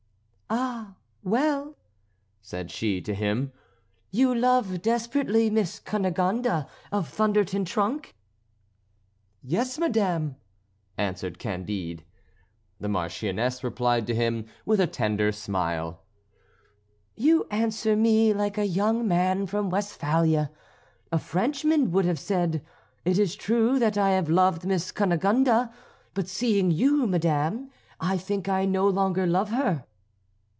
"Ah, well!" said she to him, "you love desperately Miss Cunegonde of Thunder ten Tronckh?" "Yes, madame," answered Candide. The Marchioness replied to him with a tender smile: "You answer me like a young man from Westphalia. A Frenchman would have said, 'It is true that I have loved Miss Cunegonde, but seeing you, madame, I think I no longer love her.'"